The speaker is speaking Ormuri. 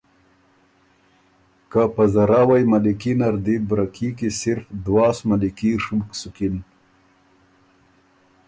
که په زراوئ ملیکي نر دی برکي کی صرف دواس ملیکي ڒُوک سُکِن۔